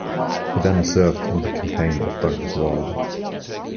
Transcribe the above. He then served on the campaign of Douglas Wilder.